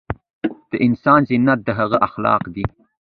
دانسان زينت دهغه اخلاق دي